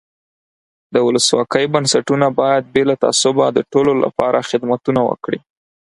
د ولسواکۍ بنسټونه باید بې له تعصبه د ټولو له پاره خدمتونه وکړي.